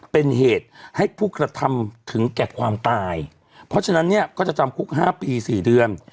เป็นเหตุให้ผู้กระทำถึงแก่ความตายเพราะฉะนั้นเนี่ยก็จะจำคุกห้าปีสี่เดือน